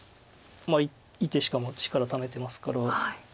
１手しかも力ためてますから。